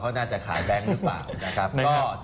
เค้าน่าจะขายแบงก์หรือเปล่า